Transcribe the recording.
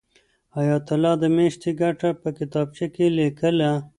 حیات الله د میاشتې ګټه په کتابچه کې لیکله.